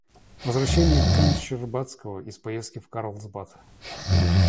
Возвращение кн. Щербацкого из поездки в Карлсбад.